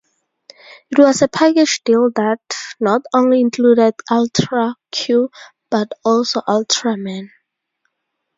It was a package deal that not only included "Ultra Q", but also Ultraman.